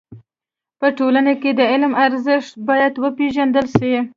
په ټولنه کي د علم ارزښت بايد و پيژندل سي.